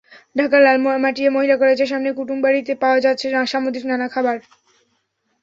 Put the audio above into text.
ঢাকার লালমাটিয়া মহিলা কলেজের সামনে কুটুমবাড়িতে পাওয়া যাচ্ছে সামুদ্রিক নানা খাবার।